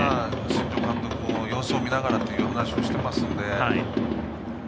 新庄監督も様子を見ながらというお話もしていますので。